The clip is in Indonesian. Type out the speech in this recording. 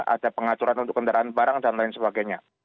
ada pengacuran untuk kendaraan barang dan lain sebagainya